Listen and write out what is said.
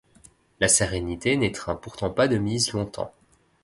La sérénité n'étreint pourtant pas de mise longtemps.